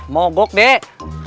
mau gok dek